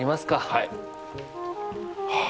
はい。